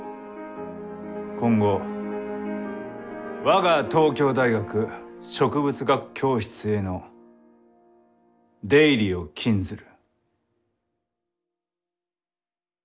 今後我が東京大学植物学教室への出入りを禁ずる。